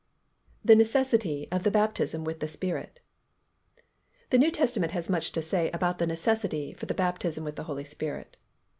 _ THE NECESSITY OF THE BAPTISM WITH THE SPIRIT. The New Testament has much to say about the necessity for the baptism with the Holy Spirit.